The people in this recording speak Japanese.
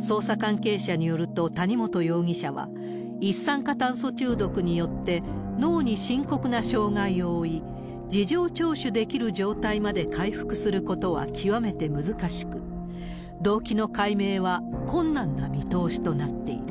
捜査関係者によると、谷本容疑者は、一酸化炭素中毒によって脳に深刻な障害を負い、事情聴取できる状態まで回復することは極めて難しく、動機の解明は困難な見通しとなっている。